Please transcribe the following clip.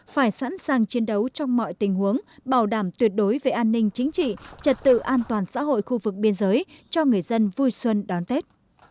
phải sẵn sàng chiến đấu trong mọi tình huống bảo đảm tuyệt đối về an ninh chính trị trật tự an toàn xã hội khu vực biên giới cho người dân vui xuân đón tết